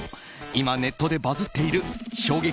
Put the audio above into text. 今、ネットでバズっている衝撃